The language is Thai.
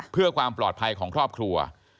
เพื่อความปลอดภัยของครอบครัว